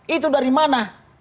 itu dari mana